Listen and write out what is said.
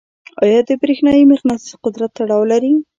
آیا د برېښنايي مقناطیس قدرت تړاو لري؟